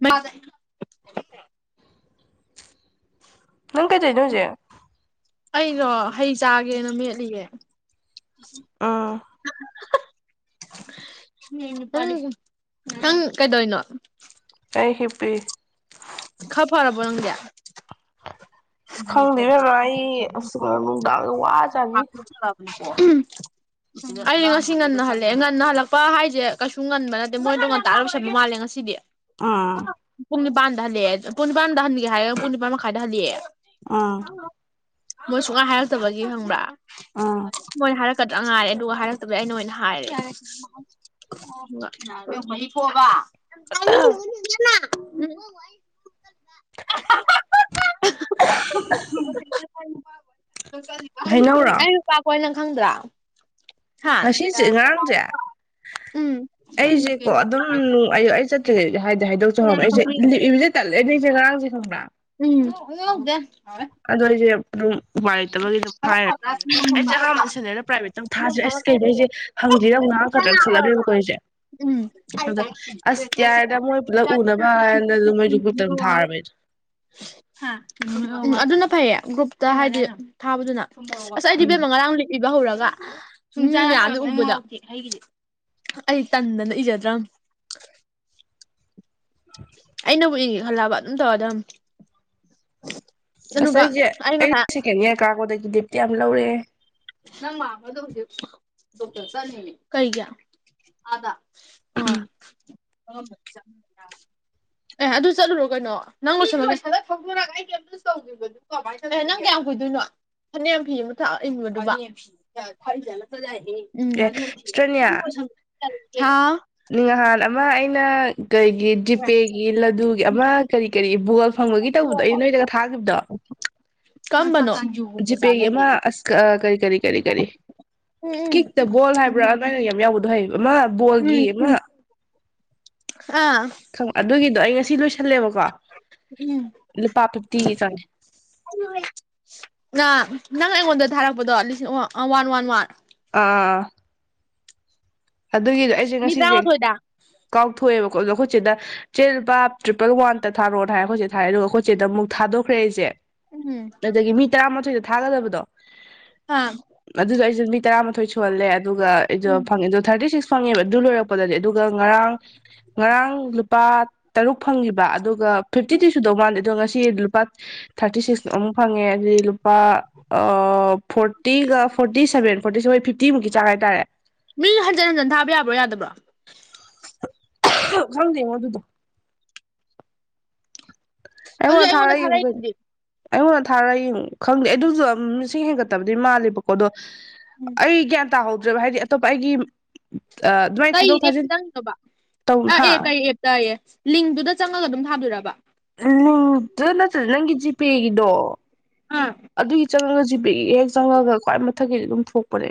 ꯃꯥ ꯅꯪ ꯀꯩꯗꫭꯏꯅꫭ ꯍꯧꯖꯤꯛ ꯑꯩꯗꯣ ꯍꯩ ꯆꯥꯒꯦꯅ ꯃꯦꯠꯂꯤꯌꯦ ꯎꯝ [inaudible] ꯅꯪ ꯀꯩꯗꫭꯏꯅꫭ ꯑꯩ ꯍꯤꯞ ꯄꯤꯌꯦ ꯈꯔ ꯐꯔꯕꫭ ꯅꯪꯗꯤ ꯑꯁ ꯈꯪꯗꯦ ꯏꯕꯦꯝꯃ ꯑꯩ ꯎꯍꯨꯝ ꯑꯁ ꯅꯨꯡꯗꯥꯡꯗ ꯋꯥꯖꯥꯠꯅꯤ ꯎ ꯉꯁꯤ ꯉꯟꯅ ꯍꯜꯂꯑꯦ ꯉꯟꯅ ꯍꯜꯂꯛꯄ ꯍꯥꯏꯁꯦ ꯀꯩꯁꯨ ꯉꯟꯕ ꯅꯠꯇꯦ ꯃꯣꯏꯗꯣ ꯉꯟꯇꯥ ꯂꫭꯏꯁꯟꯕ ꯃꯥꯜꯂꯦ ꯉꯁꯤꯗꯤ ꯑꯥ ꯄꯨꯡ‌ ꯅꯤꯄꯥꯟ ꯗꯍꯜꯂꯦ ꯄꯨꯡ ꯅꯤꯄꯥꯟꯗ ꯍꯟꯒꯦ ꯍꯥꯏꯔꯒ ꯄꯨꯡ ꯅꯤꯄꯥꯟ ꯃꯈꯥꯏꯗ ꯍꯜꯂꯦꯑꯦ ꯎꯝ ꯃꯣꯏ ꯁꯨꯡꯍꯥꯏ ꯍꯥꯏꯔꯛꯇꯕꯒꯤ ꯈꯪꯕ꯭ꯔꯥ ꯑꯥ ꯃꯣꯏ ꯍꯥꯏꯔꯛ ꯀꯗ꯭ꯔꯥ ꯉꯥꯏꯔꯦ ꯑꯗꯨꯒ ꯍꯥꯏꯔꯛꯇꯕꯗꯩ ꯑꯩꯅ ꯑꯣꯏꯅ ꯍꯥꯏꯔꯦ ꯑꯗꯨꯒ [unintelligible] ꯑ ꯍ ꯍ ꯍ ꯍ [inaudible] ꯍꯩꯅꯧꯔꯣ ꯑꯩ ꯅꯨꯄꯥ ꯀꫭꯏ ꯅꯪ ꯈꯪꯗ꯭ꯔꯥ ꯍꯥ ꯉꯁꯤꯁꯦ ꯉꯔꯥꯡꯁꯦ ꯎꯝ ꯌꯥ ꯍꯥꯏ ꯍꯥꯏꯗꯣꯛꯆ ꯍꯧꯔꯝꯃ ꯑꯩꯁꯦ ꯇꯜꯂꯦꯅꯦ ꯑꯩꯁꯦ ꯉꯔꯥꯡꯁꯦ ꯈꯪꯕ꯭ꯔꯥ ꯎꯝ ꯑꯗꯨ ꯂꯧꯗꯦ ꯑꯗꫭ ꯑꯩꯁꯦ ꯑꯗꯨꯝ ꯋꯥꯏ ꯑꯩꯁꯦ ꯑꯍꯥꯟꯕ ꯁꯦꯅ꯭ꯌꯔꯗ ꯄ꯭ꯔꯥꯏꯚꯦꯠꯇ ꯃꯨꯛ ꯊꯥꯥꯁꯤꯔ ꯑꯁ ꯀꯩꯅꫭ ꯑꯩꯁꯦ ꯍꯪꯗꯦꯅ ꯑꯃꯨꯛ ꯉꯥꯡꯉꯛꯀꯗ꯭ꯔꯥꯅ ꯈꯜꯂꯃꯦꯕꯀꯣ ꯑꯩꯁꯦ ꯑꯗ ꯑꯁ ꯌꯥꯔꯦꯗ ꯃꯣꯏ ꯄꯨꯂꯞ ꯎꯅꯕ ꯍꯥꯏꯅ ꯃꯣꯏꯗꯨ ꯎꯝ ꯒ꯭ꯔꯨꯞꯇ ꯑꯗꯨꯝ ꯊꯥꯔꯕ ꯑꯩꯖꯨ ꯎꯝ ꯑꯗꯨꯅ ꯐꯩꯌꯦ ꯒ꯭ꯔꯨꯞꯇ ꯍꯥꯏꯗꯤ ꯊꯥꯕꯗꯨꯅ ꯑꯁ ꯑꯩꯗꯤ ꯎꯝ ꯏꯕꯦꯝꯃ ꯉꯔꯥꯡ ꯂꯤꯞ ꯏꯕ ꯍꯧꯔ ꯁꯨꯡꯖ ꯎꯕꯗꯣ ꯑꯩ ꯇꯟꯗꯅ ꯏꯖꯗ꯭ꯔꯕ ꯑꯩꯅꯕꯨꯛ ꯏ ꯍꯜꯂꯕ ꯑꯗꯨꯝ ꯇꯧꯔ ꯑꯗꯨ ꯑꯁ ꯑꯩꯁꯦ ꯑꯩ ꯉꯁꯥꯏ ꯁꯩꯀꯦꯟ ꯌꯔ ꯀꯌꯥꯝ ꯂꯧꯔꯦ ꯅꯪ ꯃꯥꯒꯗ ꯗꯣꯛꯇꯔ ꯆꯇꯅꯤ ꯀꯩꯒꯤ ꯑꯗꯥ ꯎꯝ ꯑꯦ ꯑꯗꯨ ꯆꯠꯂꯨꯔꯣ ꯀꯩꯅꯣ ꯅꯪꯕꯨ ꯁꯗ ꯐꯗ ꯀꯩꯇꯧꯗꯣ ꯅꯪ ꯀꯌꯥꯝ ꯀꯨꯏꯗꯣꯏꯅꯣ ꯐꯅꯌꯥꯝ ꯐꯤ ꯑꯃ ꯊꯛꯏꯕꯅꯣ ꯈꯔ ꯆꯅꯏ [unintelligible] ꯑꯦ ꯎꯝꯗꯤ [unintelligible] ꯆꯌꯥ ꯅꯤꯡꯍꯥꯥꯟ ꯑꯃ ꯑꯩꯅ ꯀꯔꯤꯒꯤ ꯗꯤꯄꯦꯒꯤ ꯂꯗꯨꯒꯤ ꯑꯃ ꯀꯔꯤ ꯀꯔꯤ ꯕꯒꯣꯜ ꯐꯪꯕꯒꯤ ꯇꯧꯕꯗꯣ ꯑꯩ ꯅꯣꯏꯗꯒ ꯊꯥꯈꯤꯕꯗꯣ ꯀꯝꯕꯅꯣ ꯎꯝ ꯖꯤꯄꯦꯒꯤ ꯑꯃ ꯑꯁ ꯀꯔꯤ ꯀꯔꯤ ꯀꯔꯤ ꯀꯔꯤ ꯀꯤꯛꯇ ꯕꯣꯜ ꯎꯝ ꯍꯥꯏꯕ꯭ꯔꯥ ꯎꯝ ꯑꯗꯨꯃꯥꯏꯅ ꯌꯥꯝ ꯌꯥꯎꯕꯗꯣ ꯍꯌꯦꯡ ꯃꯥ ꯎꯝ ꯕꯣꯒꯤ ꯃꯥ ꯎꯝ ꯑꯥ ꯑꯗꯨꯒꯤꯗꯣ ꯑꯩ ꯉꯁꯤ ꯂꯣꯏꯁꯜꯂꯦꯕꯀꯣ ꯎꯝ ꯂꯨꯄꯥ ꯐꯤꯐꯇꯤꯒꯤ ꯆꯪꯉꯦ ꯅ ꯅꯪ ꯑꯩꯉꯣꯟꯗ ꯊꯥꯔꯛꯄꯗꯣ ꯂꯤꯁꯤꯡ ꯋꯥꯟ ꯋꯥꯟ ꯋꯥꯟ ꯑꯥ ꯑꯗꯨꯒꯤꯗꯣ ꯑꯩꯁꯦ ꯃꯤ ꯉꯁꯤꯁꯦ ꯇꯔꯥꯃꯥꯊꯣꯏꯗ ꯀꯥꯎꯊꯣꯛꯑꯦꯕ ꯑꯩꯈꯣꯏ ꯆꯦꯗ ꯆꯦꯂꯨꯄꯥ ꯇ꯭ꯔꯤꯄꯜ ꯋꯥꯟꯗ ꯊꯥꯔꯣꯅ ꯍꯥꯏꯔ ꯑꯩꯈꯣꯏꯁꯦ ꯊꯥꯔꯦ ꯑꯗꯨꯒ ꯑꯩꯈꯣꯏꯆꯁꯤꯗꯨꯛ ꯊꯥꯣꯛꯈ꯭ꯔꯦ ꯑꯩꯁꯦ ꯎꯝ ꯑꯗꯒꯤ ꯃꯤ ꯇꯔꯥꯃ ꯊꯥꯒꯗꯕꯗꯣ ꯑꯥ ꯑꯗꯨ ꯇꯁꯤ ꯇꯔꯥ ꯃꯥꯊꯣꯏ ꯁꯨꯍꯜꯂꯦ ꯑꯗꯨꯒ ꯑꯩꯗꯣ ꯎꯝ ꯐꯪꯉꯦꯗ ꯊꯥꯔꯇꯤ ꯁꯤꯛꯁ ꯐꯪꯉꯦꯕ ꯑꯗꯨ ꯂꯣꯏꯔꯛꯄꯗꯗꯤ ꯑꯗꯨꯒ ꯉꯔꯥꯡ ꯉꯔꯥꯡ ꯂꯨꯄꯥ ꯇꯔꯨꯛ ꯐꯪꯈꯤꯕ ꯑꯗꯨ ꯑꯗꯨꯒ ꯐꯤꯐꯇꯤ ꯊ ꯁꯨꯗꯧ ꯃꯥꯥꯟꯂꯦ ꯑꯗꯣ ꯉꯁꯤ ꯂꯨꯄꯥ ꯊꯥꯔꯇꯤ ꯁꯤꯛꯁ ꯑꯃꯨꯛ ꯐꯪꯉꯦ ꯑꯗꯨꯗꯤ ꯂꯨꯄꯥ ꯐꯣꯔꯇꯤꯒ ꯐꯣꯔꯇꯤ ꯁꯚꯦꯟ ꯐꯣꯔꯇꯤ ꯁꯦꯣꯏ ꯐꯤꯞꯇꯤꯃꯨꯛꯀꯤ ꯆꯥꯡ ꯍꯥꯏꯇꯥꯔꯦ ꯃꯤ ꯍꯟꯖꯤꯟ ꯍꯟꯖꯤꯟ ꯊꯥꯕ ꯌꯥꯕ꯭ꯔꯣ ꯌꯥꯗꯕ꯭ꯔꯣ ꯈꯪꯗꯦ ꯉꯣ ꯑꯗꯨꯗ ꯑꯗꯨꯗꯤ ꯑꯩꯉꯣꯟꯗ ꯉ ꯊꯥꯔꯚ ꯌꯦꯡꯒꯦ ꯀꯤꯅꯣ ꯊꯥꯔꯛꯏꯗꯨꯗꯤ ꯑꯩꯉꯣꯟꯗ ꯊꯥꯔꯒ ꯌꯦꯡꯉꯣ ꯈꯪꯗꯦ ꯑꯗꯨꯁꯨꯁꯤꯡ ꯍꯦꯟꯒꯠꯇꯕꯗꯤ ꯃꯥꯜꯂꯦꯕꯀꯣ ꯑꯗꯣ ꯎꯝ ꯑꯩꯒ ꯇꯥꯍꯧꯗ꯭ꯔꯕ ꯍꯥꯏꯗꯤ ꯑꯇꯣꯞꯄ ꯑꯩꯒꯤ ꯑꯗꯨꯃꯥꯏꯅ ꯀꯩ ꯊꯥꯗꯣꯛ ꯊꯥꯖꯤꯟ ꯑꯦꯞꯇꯪꯅꯣꯕ ꯇꯧ ꯑ ꯍꯥ ꯑꯦ ꯀꯩ ꯑꯦꯞꯇꯌꯦ ꯂꯤꯡꯇꯨꯗ ꯆꯪꯉꯒ ꯑꯗꯨꯝ ꯊꯥꯗꯔꯕ ꯅꯗꯨ ꯅꯠꯇ꯭ꯔꯗ ꯅꯪꯒꯤꯖꯤ ꯄꯦꯒꯤꯗꯣ ꯑꯥ ꯆꯪꯉꯒ ꯖꯤ ꯄꯦ ꯒꯤ ꯍꯦꯛ ꯆꯪꯉꯒ ꯈ꯭ꯋꯥꯏ ꯃꯊꯛꯀꯤꯗꯤ ꯑꯗꯨꯝ ꯊꯣꯛꯄꯅꯦ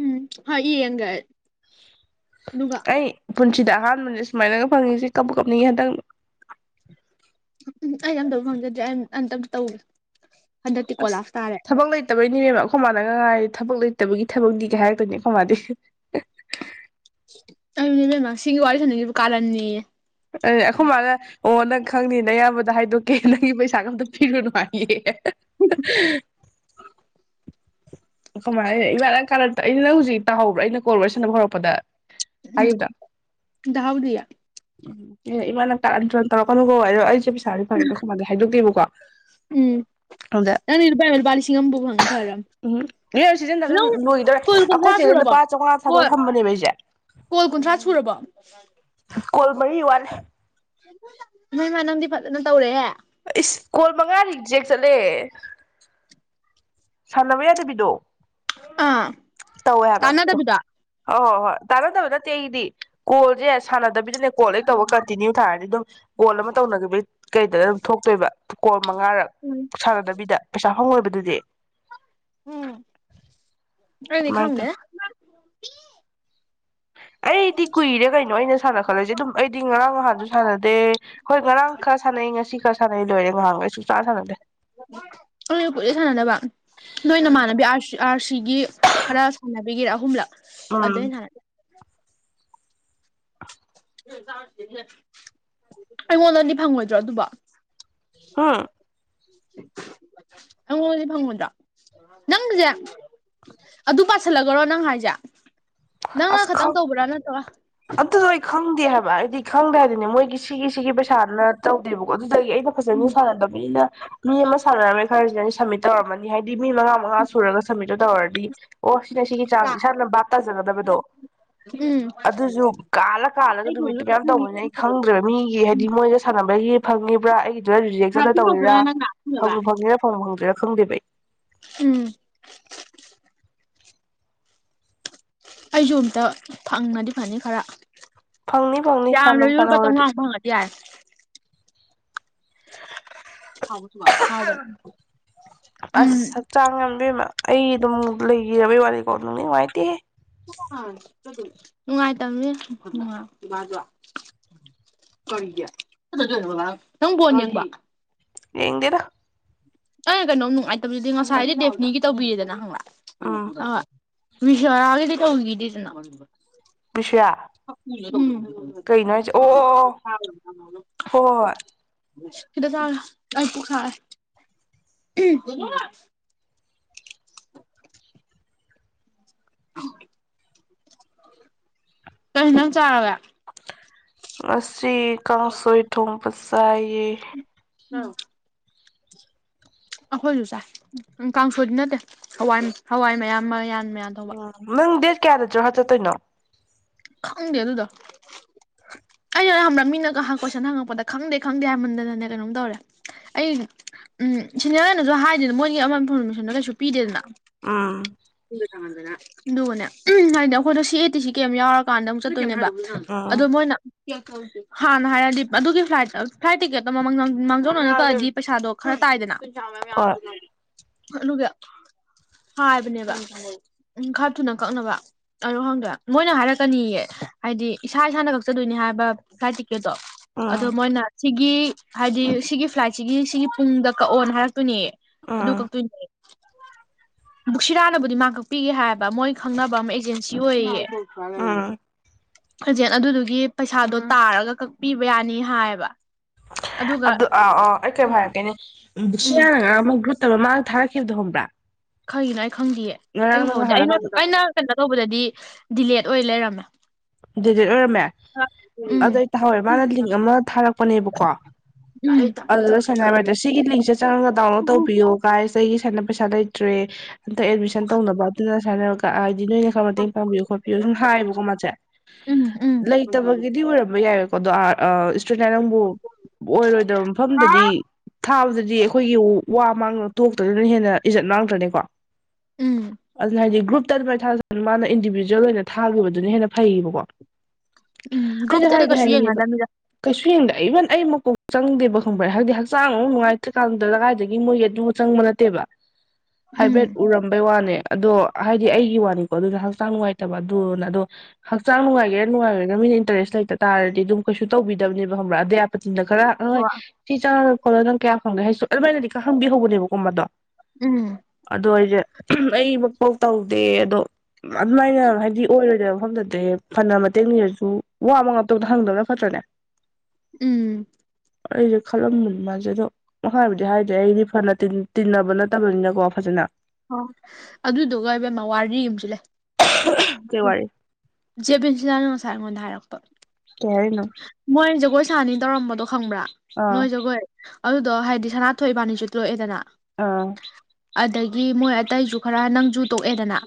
ꯎꯝ ꯍꯣꯏ ꯌꯦꯡꯒꯦ ꯑꯩ ꯑꯩ ꯄꯨꯟꯁꯤꯗ ꯑꯍꯥꯟꯕꯁꯦ ꯁꯨꯃꯥꯏꯅꯒ ꯐꯪꯉꯤꯁꯦ ꯀꯞꯄꯨ ꯀꯞꯅꯤꯡꯏ ꯍꯟꯗꯠ ꯎ ꯑꯩ ꯑꯃꯠꯇ ꯐꯪꯖꯗ꯭ꯔꯤ ꯑꯝꯇ ꯑꯝꯇ ꯇꯧꯒꯦ ꯍꯟꯗꯛꯇꯤ ꯑꯁ ꯀꯣꯂꯥꯞꯁ ꯇꯥꯔꯦ ꯊꯕꯛ ꯂꯩꯇꯕꯩꯅꯤ ꯏꯕꯦꯝꯃ ꯑꯩꯈꯣꯏ ꯃꯥꯥꯅ ꯒ ꯍꯦꯜꯥꯏꯅꯤ ꯊꯕꯛ ꯂꯩꯇꯕꯒꯤ ꯊꯕꯛꯗꯤ ꯀ ꯍꯥꯏꯔꯛꯇꯣꯏꯅꯦ ꯑꯩꯈꯣꯏ ꯃꯥꯗꯤ ꯑꯩ ꯁꯨꯅꯤ ꯏꯕꯦꯝꯃ ꯁꯤꯒꯤ ꯋꯥꯔꯤ ꯁꯥꯅꯕꯨ ꯀꯥꯔꯅꯤ ꯑꯦ ꯑꯩꯈꯣꯏ ꯃꯥꯅ ꯑꯣ ꯅꯪ ꯈꯪꯅꯤꯅꯦ ꯅꯌꯥꯝꯕꯗ ꯍꯥꯏꯗꯣꯛꯀꯦ ꯅꯪꯒꯤ ꯄꯩꯁꯥꯒ ꯑꯝꯇ ꯄꯤꯔꯨꯅꯨ ꯍꯥꯏꯌꯦ [unintelligible] ꯀꯃꯥꯏ ꯏꯃꯥ ꯀꯥꯟꯂꯛꯇ ꯑꯩꯅ ꯅꯪ ꯍꯧꯖꯤꯛ ꯇꯥꯍꯧꯕ꯭ꯔꯥ ꯑꯩꯅ ꯀꯣ ꯁꯥꯟꯅꯕ ꯍꯧꯔꯛꯄꯗ ꯍꯥꯏꯈꯤꯕꯗꯣ ꯎꯝ ꯇꯥꯍꯧꯗꯤꯌꯦ ꯎꯝ ꯑꯦ ꯏꯃꯥ ꯅꯪ ꯀꯥꯔꯟ ꯇꯨꯔꯟ ꯇꯧꯔꯛꯀꯅꯨꯀꯣ ꯑꯩꯁꯦ ꯄꯩꯁꯥ ꯁꯥꯔꯦ ꯐꯉꯦꯕ ꯑꯗꯣ ꯑꯩꯈꯣꯏ ꯃꯥ ꯗ ꯍꯥꯏꯗꯣꯛꯇꯦꯕꯀꯣ ꯎꯝ ꯑꯗꯨꯗ ꯅꯪꯗꯤ ꯂꯨꯄꯥ ꯂꯨꯄꯥ ꯂꯤꯁꯤꯡ ꯑꯃꯐꯥꯎ ꯐꯪꯉꯤ ꯐꯔꯕ ꯎꯝ ꯅ꯭ꯌꯨ ꯁꯤꯖꯤꯟꯅꯕꯗ ꯅꯪ ꯂꯣꯏꯗꯣꯔꯦ ꯀꯣꯜ ꯀꯨꯟꯊ꯭ꯔꯥ ꯑꯩꯈꯣꯏ ꯆꯦꯗ ꯁꯨꯔꯕꯣ ꯂꯨꯄꯥ ꯆꯥꯝꯃꯉꯥ ꯀꯣ ꯊꯥꯗꯣꯛ ꯊꯝꯕꯅꯦꯕ ꯑꯩꯁꯦ ꯀꯣꯜ ꯀꯨꯟꯊ꯭ꯔꯥ ꯁꯨꯔꯕꯣ ꯀꯣꯜꯃꯔꯤ ꯋꯥꯠꯂꯤ ꯅꯣꯏ ꯃꯥ ꯅꯪꯗꯤ ꯐꯖꯅ ꯇꯧꯔꯦꯍꯦ ꯏꯁꯀꯣꯜ ꯃꯉꯥ ꯔꯤꯛꯖꯦꯛ ꯆꯠꯂꯦ ꯁꯥꯟꯅꯕ ꯌꯥꯗꯕꯤꯗꯣ ꯑꯥ ꯇꯥꯟꯅꯗꯕꯤꯗ ꯑꯍꯣ ꯑꯍꯣꯏ ꯇꯥꯟꯅꯗꯕ ꯅꯠꯇꯦ ꯑꯩꯗꯤ ꯀꯣꯜꯁꯦ ꯁꯥꯟꯅ ꯁꯕꯤꯗꯅꯦ ꯀꯣꯜ ꯍꯦꯛ ꯇꯧꯕ ꯀꯟꯇꯤꯅ꯭ꯌꯨ ꯊꯥꯔꯅꯤ ꯑꯗꯨꯝ ꯀꯣꯜ ꯑꯃ ꯇꯧꯅꯈꯤꯕ ꯀꯩꯗ ꯑꯗꯨꯝ ꯊꯣꯛꯇꯣꯏꯕ ꯀꯣꯜ ꯃꯉꯥꯔꯛ ꯎꯝ ꯁꯥꯟꯅꯗꯕꯤꯗ ꯄꯩꯁꯥ ꯐꯪꯉꯣꯏꯕꯗꯨ [unintelligible] ꯎꯝ ꯑꯩꯗꯤ ꯑꯗꯨꯃꯥꯏꯅ ꯇꯧ ꯈꯪꯗꯦ [unintelligible] ꯑꯩꯗꯤ ꯀꯨꯏꯔꯦ ꯀꯩꯅꯣ ꯑꯩꯅ ꯁꯥꯟꯅ ꯈꯠꯂꯁꯦ ꯑꯗꯨꯝ ꯑꯩꯗꯤ ꯉꯔꯥꯡ ꯅꯍꯥꯟꯁꯨ ꯁꯥꯟꯅꯗꯦ ꯍꯣꯏ ꯉꯔꯥꯡ ꯈꯔ ꯁꯥꯟꯅꯩ ꯉꯁꯤ ꯈꯔ ꯁꯥꯟꯅꯩ ꯂꯣꯏꯔꯦ ꯉꯍꯥꯡꯈꯩꯁꯨ ꯁꯨꯛꯁꯥꯟ ꯁꯥꯅꯗꯦ ꯑꯩꯁꯨ ꯀꯨꯏꯔꯦ ꯁꯥꯟꯅꯗꯕ ꯅꯣꯏꯅꯃꯥꯟꯅꯕꯤ ꯑ ꯑꯥꯔ ꯁꯤꯒꯤ ꯈꯔ ꯁꯥꯟꯅꯕꯤꯒꯔꯥ ꯑꯍꯨꯝꯂꯛ ꯑꯗꯩ ꯎꯝ ꯍꯦꯟ ꯁꯥꯅꯗꯦ ꯑꯩꯉꯣꯟꯗꯗꯤ ꯐꯪꯉꯣꯏꯗ꯭ꯔꯣ ꯑꯗꯨꯕ ꯍꯥ ꯑꯩꯉꯣꯟꯁꯦ ꯐꯪꯉꯨꯗꯣ ꯅꯪꯁꯦ ꯑꯗꯨ ꯄꯥꯁꯤꯜꯂꯒꯔꯣ ꯅꯪ ꯍꯥꯏꯁꯦ ꯅꯪꯅ ꯑꯁ ꯈꯛꯇꯪ ꯈꯪ ꯇꯧꯕ꯭ꯔꯥ ꯅꯠꯇ꯭ꯔꯣ ꯑꯗꯨꯗꯣ ꯑꯩ ꯈꯪꯗꯦ ꯍꯥꯏꯕ ꯑꯩꯗꯤ ꯈꯪꯗ꯭ꯔ ꯍꯥꯏꯗꯤꯅꯦ ꯃꯣꯏꯒꯤ ꯁꯤꯒꯤ ꯁꯤꯒꯤ ꯄꯩꯁꯥꯅ ꯇꯧꯗꯦꯕꯀꯣ ꯑꯗꯨꯗꯒꯤ ꯑꯩꯅ ꯐꯖꯅ ꯁꯥꯟꯅꯗꯕꯅꯤꯅ ꯃꯤ ꯑꯃ ꯁꯥꯟꯅꯔꯝꯃꯦ ꯈꯔꯁꯤꯅ ꯑꯩꯅ ꯁꯝꯃꯤꯠ ꯇꯧꯔꯝꯃꯅꯤ ꯍꯥꯏ ꯃꯤ ꯃꯉꯥ ꯃꯉꯥ ꯁꯨꯔꯒ ꯁꯝꯃꯤꯠꯇꯣ ꯇꯧꯔꯗꯤ ꯑꯣ ꯁꯤꯅ ꯁꯤꯒꯤ ꯆꯥꯡ ꯏꯁꯥꯅ ꯕꯥ ꯗꯣ ꯎꯝ ꯑꯗꯨꯁꯨ ꯀꯥꯂ ꯀꯥꯂꯒ ꯅꯨꯃꯤꯠꯇꯨ ꯃꯌꯥꯝ ꯇꯧꯕꯅꯤꯅ ꯑꯩ ꯈꯪꯗ꯭ꯔꯦꯕ ꯃꯤꯒꯤ ꯍꯥꯏꯗꯤ ꯃꯣꯏꯒ ꯁꯥꯟꯅꯕ ꯃꯒꯤ ꯐꯪꯉꯤꯕ꯭ꯔꯥ ꯑꯩ ꯖꯦꯛ ꯆꯠꯂ ꯇꯧꯔꯤꯔꯥ ꯐꯪ ꯐꯪꯤꯔꯥ ꯐꯪ ꯐꯪꯗꯣꯏꯔ ꯐꯪꯗꯦꯩ ꯎꯝ ꯑꯩꯁꯨ ꯑꯝꯇ ꯊꯪꯅꯗꯤ ꯐꯅꯤ ꯈꯔ ꯐꯪꯅꯤ ꯐꯪꯅꯤ ꯌꯥꯗ ꯁꯥꯟꯅꯧ ꯌ ꯀ ꯇ ꯁꯥꯟꯅꯍꯧꯔꯗꯤ ꯇꯏ ꯍꯥꯎꯕꯅꯦ ꯎꯝ ꯑꯁ ꯍꯛꯆꯥꯡ ꯉꯝꯕꯤꯃ ꯑꯩ ꯑꯗꯨꯝ ꯂꯩꯈꯤ ꯔꯕꯤꯋꯥꯂꯤ ꯀꯣ ꯅꯪ ꯅꯤꯡꯉꯥꯏꯇꯦꯦ ꯅꯨꯡꯉꯥꯏꯇꯕꯅꯦ ꯅꯪ ꯣꯟ ꯌꯦꯕ ꯌꯦꯡ ꯀꯦꯔ ꯑꯪ ꯀꯩꯅꯣꯝ ꯅꯨꯡꯉꯥꯏꯇꯕꯗꯨꯗꯤ ꯉꯁꯥꯏꯗꯤ ꯗꯦꯐꯅꯤꯒꯤ ꯇꯧꯕꯤꯔꯦꯗꯅ ꯍꯪꯂꯛ ꯎꯝ ꯍ ꯃꯤꯁꯔꯒꯦꯗꯤ ꯆꯣꯡꯒꯗꯤꯗꯅ ꯕꯤꯁ꯭ꯌꯥ ꯎꯝ ꯀꯩꯅꯣ ꯍꯥꯏꯁꯦ ꯑꯣ ꯑꯣ ꯑꯣ ꯍꯣꯏ ꯍꯣꯏ ꯀꯗ ꯊ ꯑꯄꯨ ꯈꯥ ꯀꯩꯅꯅ ꯆꯔ ꯑꯁ ꯁ꯭ꯔꯤ ꯀꯥꯡꯁꯣꯏ ꯊꯨꯝ ꯀꯁꯥꯏ ꯑ ꯑꯩꯈꯣꯏꯁꯨ ꯆꯥꯏ ꯀꯥꯡꯁꯣꯏꯗꯤ ꯅꯠꯇꯦ ꯍꯋꯥ ꯍꯋꯥꯏ ꯃꯌꯥꯝ ꯃ ꯎ ꯃꯪ ꯀꯌꯥꯗ꯭ꯔꯣ ꯍꯥ ꯆ ꯇꯣꯏꯅꯣ ꯈꯪꯗꯦ ꯑꯗꯨꯗꯣ ꯑꯩꯅ ꯍ꯭ꯔ ꯃꯤꯅꯒ ꯀꯣꯏꯁꯟ ꯍꯪꯉꯛꯄꯗ ꯈꯪꯗꯦ ꯈꯪꯗꯦ ꯍꯥꯏꯃꯟꯗꯅꯅꯦ ꯀꯩꯅꯣꯝ ꯇꯧꯔꯦ ꯑꯩ ꯎꯝ ꯁꯤꯅꯤꯌꯔꯅꯁꯨ ꯍꯥꯏꯔꯤꯗ ꯃꯣꯏꯒꯤ ꯑꯃ ꯏꯟꯐꯣꯔꯃꯦꯁꯟꯗꯣ ꯀꯩꯁꯨ ꯄꯤꯗꯦꯗꯅ ꯏꯗꯗꯅꯦ ꯎꯝ ꯑꯗꯨꯒꯅꯦ ꯎ ꯍꯥꯏꯗꯤ ꯑꯩꯈꯣꯏꯗ ꯁꯤ ꯑꯦ ꯇꯤ ꯁꯤ ꯀꯩꯝ ꯌꯥꯎꯔꯛꯦ ꯀꯀꯥꯟꯗ ꯑꯃꯨꯛ ꯆꯠꯇꯣꯏꯅꯦꯕ ꯎꯝ ꯑꯗꯣ ꯃꯣꯏꯅ ꯍꯥꯟꯅ ꯍꯥꯏꯔꯗꯤ ꯑꯗꯨꯒꯤ ꯐ꯭ꯂꯥꯏꯠ ꯐ꯭ꯂꯥꯏꯠ ꯇꯤꯛꯀꯦꯠꯇꯣ ꯃꯥꯡꯖꯧꯅꯅ ꯀꯜꯂꯗꯤ ꯄꯩꯁꯥꯗꯣ ꯈꯔ ꯇꯥꯏꯗꯅ ꯍꯣꯏ ꯒꯨ ꯍꯥꯏꯕꯅꯦꯕ ꯎ ꯈꯔ ꯊꯨꯅ ꯀꯛꯅꯕ ꯑꯣ ꯈꯪꯗ꯭ꯔꯦ ꯃꯣꯏꯅ ꯍꯥꯏꯔꯛ ꯆꯅꯤꯌꯦ ꯍꯥꯏꯗꯤ ꯏꯁꯥ ꯏꯁꯥꯅ ꯀꯛꯆꯗꯣꯏꯅꯤ ꯍꯥꯏꯕꯥꯏ ꯀꯦꯗꯣ ꯑꯗꯣ ꯎꯝ ꯃꯣꯏꯅ ꯁꯤꯒꯤ ꯍꯥꯏꯗꯤ ꯁꯤꯒꯤ ꯐ꯭ꯂꯥꯏꯠꯁꯤꯒꯤ ꯁꯤꯒꯤ ꯄꯨꯡꯗ ꯀꯛꯑꯣꯅ ꯍꯥꯏꯔꯛ ꯀꯛꯇꯣꯏꯅꯦ ꯑꯗꯨ ꯎꯝ ꯀꯛꯇꯣꯏꯅꯦ ꯕꯨꯛꯁꯤꯔꯥꯅꯕꯨꯗꯤ ꯃꯥꯡ ꯀꯛꯄꯤꯒꯦ ꯍꯥꯏꯕ ꯃꯣꯏ ꯈꯪꯅꯕ ꯑꯃ ꯑꯦꯖꯦꯟꯁꯤ ꯑꯣꯏꯌꯦ ꯑꯗꯦ ꯎꯝ ꯐꯖꯦꯟ ꯑꯗꯨꯗꯨꯒꯤ ꯄꯩꯁꯥꯗꯣ ꯇꯥꯔꯒ ꯀꯛꯄꯤꯕ ꯌꯥꯅꯤ ꯍꯥꯏꯌꯦꯕ ꯑꯗꯨꯒ ꯑꯗꯨ ꯑꯥ ꯑꯥ ꯑꯩ ꯀꯩ ꯍꯥꯏꯔꯛꯒꯦꯅꯦ ꯎꯝ ꯌꯥ ꯃꯠꯇ ꯃꯥꯡ ꯊꯙꯔꯥ ꯈꯈꯤ ꯊꯣ꯭ꯔ ꯈꯩꯅ ꯈꯪꯗꯦꯌꯦ ꯑꯌꯨꯛ ꯍꯧꯥꯎꯗꯦ ꯑꯩꯅ ꯀꯩꯅꯣ ꯑꯩꯅ ꯀꯩꯅꯣ ꯇꯧꯕꯗꯗꯤ ꯗꯤꯂꯦꯠ ꯑꯣꯏ ꯂꯩꯔꯝꯃꯦ ꯗꯤꯂꯤꯠ ꯑꯣꯏꯔꯝꯃꯦ ꯎꯝ ꯑꯗꯨ ꯑꯩ ꯇꯍꯧꯋꯦ ꯃꯥꯅ ꯂꯤꯡ ꯑꯃ ꯊꯥꯔꯛꯄꯅꯦꯕꯀꯣ ꯎꯝ ꯑꯗꯨꯗ ꯁꯅ ꯍꯥꯏꯔꯕꯗ ꯁꯤꯒꯤ ꯂꯤꯡꯁꯦ ꯆꯪꯉꯒ ꯗꯥꯎꯟꯂꯣꯗ ꯇꯧꯕꯤꯌꯣ ꯥꯏꯁ ꯆꯩꯒꯤ ꯁꯅ ꯄꯩꯁꯥ ꯂꯩꯇ꯭ꯔꯦ ꯍꯟꯇ ꯑꯦꯗꯃꯤꯁꯟ ꯇꯧꯅꯕ ꯑꯗꯨꯅ ꯁꯅ ꯀꯥꯏ ꯍꯥꯏꯗꯤ ꯅꯣꯏꯅ ꯈꯔ ꯃꯇꯦꯡ ꯄꯥꯡꯕꯤꯌꯣ ꯈꯣꯠꯄꯤꯌꯣ ꯁꯨꯝ ꯍꯥꯏꯌꯦꯕꯀꯣ ꯃꯥꯁꯦ ꯎꯝ ꯎꯝ ꯂꯩꯇꯕꯒꯤꯗꯤ ꯑꯣꯏꯔꯝꯝꯕ ꯌꯥꯔꯦꯀꯣꯣ ꯁ ꯅꯪꯕꯨ ꯑꯣꯏꯔꯣꯏꯗꯕ ꯃꯐꯝꯗꯗꯤ ꯊꯥꯕꯗꯗꯤ ꯑꯩꯈꯣꯏꯒꯤ ꯋꯥ ꯃꯥꯡ ꯊꯣꯛꯇ꯭ꯔꯗꯅ ꯍꯦꯟꯅ ꯏꯖꯠ ꯃꯥꯡꯗ꯭ꯔꯅꯤꯀꯣ ꯎꯝ ꯑꯗꯨꯅ ꯭ꯔꯨꯨꯞ ꯇ ꯑꯗꯨ ꯃꯥꯏ ꯊꯥꯅ ꯃꯥꯅ ꯏꯟꯗꯤꯕꯤꯖꯨꯋꯦꯜ ꯑꯣꯏꯅ ꯊꯥꯈꯤꯕꯗꯨꯅ ꯍꯦꯟꯅ ꯐꯩꯌꯦꯕꯀꯣ ꯎꯝ ꯭ꯔꯨꯨꯞ ꯇꯔꯦ ꯀꯁꯨ ꯌꯦꯡꯉꯗꯃꯤꯗꯥ ꯐꯐꯦꯡꯗ ꯏꯚꯟ ꯑꯩ ꯃꯀꯣꯛ ꯆꯪꯗꯦꯕ ꯈꯨꯝꯕꯔꯦ ꯍꯥꯏꯗꯤ ꯍꯛꯆꯥꯡ ꯑꯃ ꯅꯨꯡꯉꯥꯏꯇ꯭ꯔꯀꯥꯟꯗꯨꯗ ꯂꯗꯥꯏꯗꯒꯤ ꯃꯣꯏꯒꯤ ꯑꯗꯨ ꯆꯪꯕ ꯅꯠꯇꯦꯕ ꯎꯝ ꯍꯥꯏꯕ꯭ꯔꯦꯠ ꯎꯔꯝꯕꯩ ꯋꯥꯅꯦ ꯑꯗꯣ ꯍꯥꯏꯗꯤ ꯑꯩꯒꯤ ꯋꯥꯅꯤꯀꯣ ꯑꯗꯨꯅ ꯍꯛꯆꯥꯡ ꯅꯨꯡꯉꯥꯏꯇꯕ ꯑꯗꯨꯅ ꯑꯗꯣ ꯍꯛꯆꯥꯡ ꯅꯨꯡꯉꯥꯏꯒꯦꯔꯥꯅꯨꯡꯉꯥꯏꯦꯥ ꯃꯤꯅ ꯏꯟꯇꯔꯦꯁ ꯂꯩꯇ ꯇꯥꯔꯗꯤ ꯑꯗꯨꯝ ꯀꯩꯁꯨ ꯇꯧꯕꯤꯗꯕꯅꯦ ꯍꯪꯕ꯭ꯔꯥ ꯑꯗ ꯅ ꯈꯔꯣꯏ ꯊꯤ ꯆ ꯍꯅ ꯅꯪ ꯀꯌꯥ ꯐꯪꯒꯦ ꯍꯥꯏꯁꯨ ꯑꯗꯨꯃꯥꯏꯅꯗꯤ ꯈ ꯍꯪꯕꯤꯍꯧꯕꯅꯦꯕꯀꯨꯝꯕꯗꯣ ꯎꯝ ꯑꯗꯨꯗ ꯑꯣꯏꯗꯤꯦ ꯑꯩꯃꯛꯐꯧ ꯇꯧꯗꯦ ꯑꯗꯣ ꯑꯗꯨꯃꯥꯏꯅ ꯍꯥꯏꯗꯤ ꯑꯣꯏꯔꯣꯏꯗꯣꯏꯕ ꯃꯐꯝꯗꯗꯤ ꯑꯗ ꯐꯅ ꯃꯇꯦꯡꯅꯤꯔꯁꯨ ꯋꯥ ꯃ ꯉꯇꯧꯗ ꯍꯪꯗꯕ꯭ꯔꯥ ꯐꯠꯇ꯭ꯔꯅꯦ ꯎꯝ ꯑꯩꯁꯦ ꯈꯜꯂꯝꯕꯅꯤ ꯃꯥꯜꯁꯦ ꯑꯗꯣ ꯃꯈ ꯍꯥꯏꯕꯨꯗꯤ ꯍꯥꯏꯗ꯭ꯔꯦ ꯑꯩꯗꯤ ꯐꯅ ꯇꯤꯟꯅꯕ ꯅꯠꯇꯕꯅꯤꯅꯀꯣ ꯐꯖꯅ ꯍ ꯑꯗꯨꯗꯨꯒ ꯏꯕꯦꯝ ꯃꯋꯥꯔꯗꯤ ꯌꯨꯝꯁꯤꯜ ꯂꯩ ꯀꯩ ꯋꯥꯔꯤ ꯖꯦꯕꯤꯟꯁꯤꯅꯥꯅ ꯉꯁꯥꯏ ꯑꯩꯉꯣꯟꯗ ꯍꯥꯏꯔꯛꯄ ꯀꯔꯤꯅ ꯃꯣꯏ ꯖꯒꯣꯏ ꯁꯥꯅꯤ ꯇꯧꯔꯝꯕꯗꯣ ꯈꯪꯕ꯭ꯔꯥ ꯑꯥ ꯅꯣꯏ ꯖꯒꯣꯏ ꯑꯗꯨꯗꯣ ꯍꯥꯏꯗꯤ ꯁꯅꯥ ꯊꯣꯛꯏꯕꯥꯅꯤꯁꯨ ꯂꯣꯛꯑꯦꯗꯅ ꯑ ꯑꯗꯒꯤ ꯃꯣꯏ ꯑꯇꯩꯁꯨ ꯈꯔ ꯅꯪꯁꯨ ꯇꯣꯛꯑꯦꯗꯅ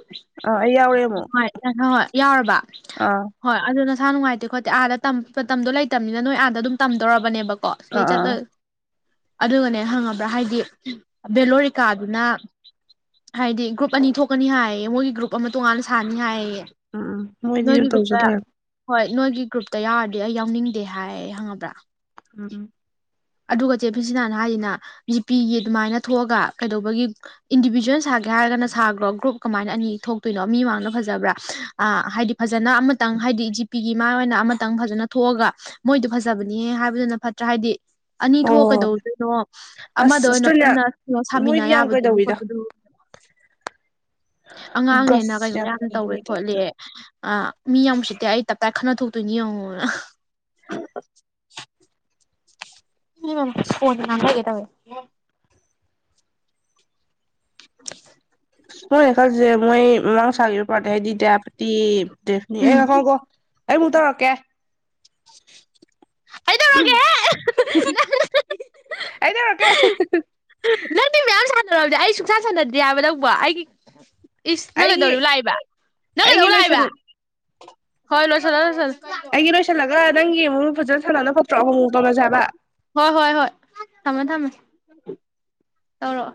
ꯑꯥ ꯑꯩ ꯌꯥꯎꯔꯦ ꯑꯃꯨꯛ ꯍꯣꯏ ꯍ ꯍꯣꯏ ꯌꯥꯎꯔꯕ ꯑꯥ ꯍꯣꯏ ꯑꯗꯨꯅ ꯃꯁꯥ ꯅꯨꯡꯉꯥꯏꯇꯦ ꯈꯣꯠꯇꯦ ꯑꯥꯗ ꯇ ꯃꯇꯝꯗꯣ ꯂꯩꯇꯕꯅꯤꯅ ꯅꯣꯏ ꯑꯥꯗ ꯑꯗꯨꯝ ꯇꯝꯗꯣꯔꯔꯕꯅꯦꯕꯣ ꯀꯣꯁꯂꯦ ꯑꯥ ꯑꯥ ꯆꯗ ꯑꯗꯨꯒꯅꯦ ꯍꯪꯉꯕ꯭ꯔꯥ ꯍꯥꯏꯗꯤ ꯕꯦꯂꯣꯔꯤꯀꯥꯗꯨꯅ ꯍꯥꯏꯗꯤ ꯒ꯭ꯔꯨꯞ ꯑꯅꯤ ꯊꯣꯛꯀꯅꯤ ꯍꯥꯏꯌꯦ ꯃꯣꯏꯒꯤ ꯒ꯭ꯔꯨꯞ ꯑꯃ ꯇꯣꯉꯥꯟꯅ ꯁꯥꯅꯤ ꯍꯥꯏꯌꯦ ꯎꯝ ꯃꯣꯏꯗꯤꯁꯨ ꯅꯣꯏꯒꯤ ꯇꯧꯁꯨ ꯒ꯭ꯔꯨꯞꯇ ꯇꯔ ꯍꯣꯏ ꯅꯣꯏꯒꯤ ꯒ꯭ꯔꯨꯞꯇ ꯌꯥꯎꯔꯗꯤ ꯑꯩ ꯌꯥꯎꯅꯤꯡꯗꯦ ꯍꯥꯏ ꯍꯪꯉꯕ꯭ꯔꯥ ꯎꯝ ꯑꯗꯨꯒ ꯆꯦꯐꯤꯁꯤꯅꯥꯅ ꯍꯥꯏꯁꯤꯅ ꯖꯤꯄꯤꯒꯤ ꯑꯗꯨꯃꯥꯏꯅ ꯊꯣꯛꯑꯒ ꯀꯩꯗꯧꯕꯒꯤ ꯏꯟꯗꯤꯕꯤꯖꯨꯋꯦꯜ ꯁꯥꯒꯦ ꯍꯥꯏꯔꯒꯅ ꯁꯥꯈ꯭ꯔꯣ ꯒ꯭ꯔꯨꯞ ꯀꯃꯥꯏꯅ ꯑꯅꯤ ꯊꯣꯛꯇꯣꯏꯅꯣ ꯃꯤ ꯃꯅ ꯐꯖꯕ꯭ꯔꯥ ꯍꯥꯏꯗꯤ ꯐꯖꯅ ꯑꯃꯇꯪ ꯍꯥꯏꯗꯤ ꯖꯤꯄꯤꯒꯤ ꯃꯥ ꯑꯣꯏꯅ ꯑꯃꯇꯪ ꯐꯖꯅ ꯊꯣꯛꯑꯒ ꯃꯣꯏꯗꯣ ꯐꯖꯕꯅꯤꯍ ꯍꯥꯏꯕꯗꯨꯅ ꯐꯠꯇ꯭ꯔꯥ ꯍꯥꯏꯕꯗꯤ ꯑꯅꯤ ꯍꯣꯏ ꯍꯣꯏ ꯍꯣꯏ ꯊꯣꯛꯀꯗꯧꯗꯣꯏꯅꯣ ꯑꯁ ꯑꯃꯗ ꯑꯣꯏꯅ ꯑꯁꯇ꯭ꯔꯦꯂꯤꯌꯥ ꯄꯨꯟꯅ ꯀ ꯁꯥꯃꯤꯟꯅ ꯃꯣꯏꯗꯤ ꯌꯥꯝ ꯌꯥꯕꯗꯨꯒꯤ ꯀꯩꯗꯧꯋꯤꯗ ꯈꯣꯠꯄꯗꯨ ꯑꯉꯥꯡꯅꯦꯅ ꯒꯁ ꯀꯩꯅꯣ ꯌꯥꯝ ꯇꯧꯋꯦ ꯂꯩꯕꯅꯤ ꯈꯣꯠꯂ ꯇꯥꯏꯞꯇ ꯑ ꯃꯤ ꯌꯥꯝꯁꯤꯠꯇꯦ ꯑꯩ ꯇꯞꯄꯥꯛꯥꯏ ꯈꯠꯟꯅ ꯊꯣꯛꯇꯣꯏꯅꯤ ꯌꯦꯡꯉꯨ ꯐꯣꯟ ꯀꯦꯇꯕꯦ ꯃꯣꯏ ꯑꯦꯀꯥꯦ ꯃꯣꯏ ꯃ ꯊꯒ ꯄꯔ ꯊꯦꯗꯤ ꯗꯌꯥ ꯄꯥ ꯗꯅꯤ ꯑꯦ ꯅꯈ ꯀꯣ ꯑꯩ ꯑꯃꯨꯛ ꯇꯧꯔꯛꯀꯦ ꯀꯩꯗꯧꯔꯒꯦꯍꯦ ꯑꯩ ꯇꯧꯔꯛꯀꯦ ꯁꯥꯟꯅꯔꯕꯗꯤꯦ ꯑꯩ ꯁꯨꯡꯁꯥ ꯁꯥꯟꯅꯗꯦ ꯍꯥꯏꯕ ꯇꯧꯕ ꯑꯩꯒꯤ ꯏꯁ ꯑꯩꯒꯤ ꯅꯪꯒꯗꯧꯔꯤ ꯂꯥꯛꯏꯕ ꯑꯩꯒꯤ ꯅꯪꯒꯗꯧ ꯂꯣꯏꯁꯟ ꯂꯥꯛꯏꯕ ꯍꯣꯏ ꯂꯣꯏ ꯆꯜ ꯂ ꯂ ꯆ ꯑꯩꯒꯤ ꯏ ꯔꯣꯁꯂꯒ ꯪꯒ ꯃ ꯄꯨꯖꯠ ꯁꯅꯅ ꯄꯠꯇ꯭ꯔ ꯍꯣꯡ ꯇꯅꯖꯕ ꯇꯧꯔꯛꯑꯣ